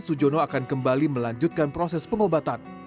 sujono akan kembali melanjutkan proses pengobatan